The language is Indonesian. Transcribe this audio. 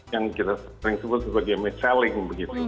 yang kita sering sebut sebagai mis selling